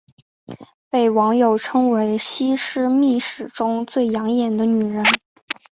被网友称为西施秘史中最养眼的女人。